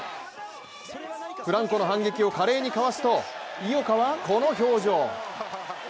フランコの反撃を華麗にかわすと井岡はこの表情。